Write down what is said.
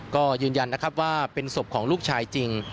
ก็ยืนยันนะครับว่าเป็นศพของลูกชายจริง